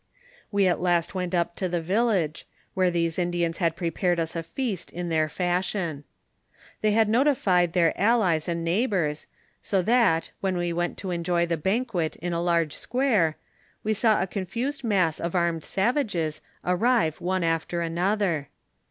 We at last went up to the village, where these Indians had prepared us a feast in their fashion. They had notified their allies and neighboii^, so that, when we went to enjoy the banquet in a large square, we saw a confused mass of armed savages arrive one after another.